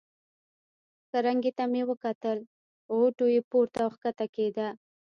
کرنکې ته مې کتل، غوټو یې پورته او کښته کېده.